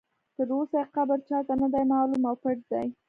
تر اوسه یې قبر چا ته نه دی معلوم او پټ دی.